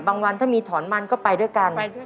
วันถ้ามีถอนมันก็ไปด้วยกัน